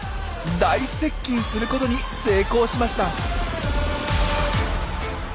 大接近することに成功しました！